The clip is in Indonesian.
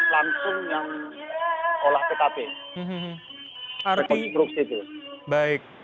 langsung yang olah pkp